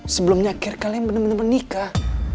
sebelumnya akhir kalian bener bener menikah